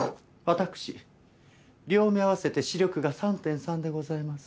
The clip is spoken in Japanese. わたくし両目合わせて視力が３．３でございます。